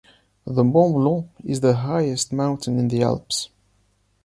The Mont Blanc is the highest mountain in the Alps.